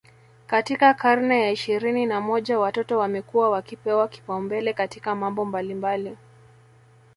katika karne ya ishirini na moja watoto wamekuwa wakipewa kipaumbele katika mambo mbalimbali